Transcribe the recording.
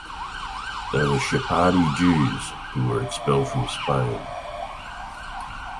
They were Sephardi Jews who were expelled from Spain.